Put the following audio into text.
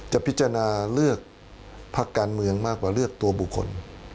จะพิจารณาเลือกพักการเมืองมากกว่าเลือกตัวบุคคล